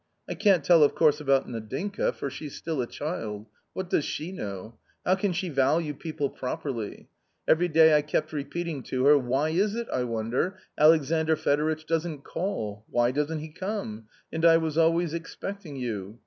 I can't tell of course about Nadinka, for she's still a child ; what does she know ? how can she value people properly ! Every day I kept repeating to her :' Why is it, I wonder, Alexandr Fedoritch doesn't call, why doesn't he come ?' and I was always expecting you.